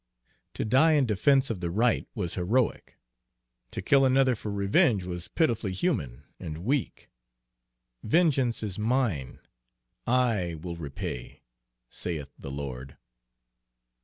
To die in defense of the right was heroic. To kill another for revenge was pitifully human and weak: "Vengeance is mine, I will repay," saith the Lord.